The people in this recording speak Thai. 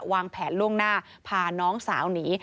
วางแผนล่วงหน้าพาน้องสาวหนี